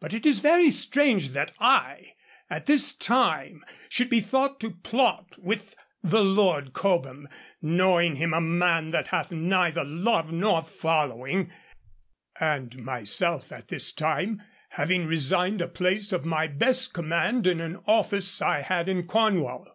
But it is very strange that I, at this time, should be thought to plot with the Lord Cobham, knowing him a man that hath neither love nor following; and, myself, at this time having resigned a place of my best command in an office I had in Cornwall.